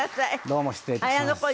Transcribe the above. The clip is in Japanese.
どうも失礼いたします。